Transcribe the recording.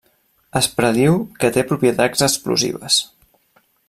Es prediu que té propietats explosives.